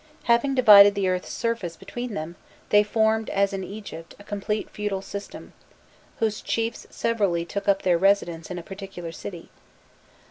Having divided the earth's surface between them, they formed, as in Egypt, a complete feudal system, whose chiefs severally took up their residence in a particular city.